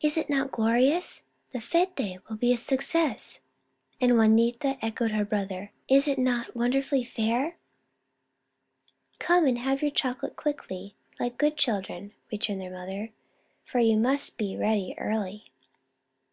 "Is it not glorious ? The fete will be a success !" and Juanita echoed her brother, " Is it not wonderfully fair !"" Come and have your chocolate quickly, like good children," returned their mother, " for you must be ready early."